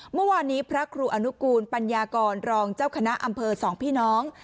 เมื่อวานนี้พระครูอนุกูลปัญญากรรองเจ้าคณะอำเภอสองพี่น้อง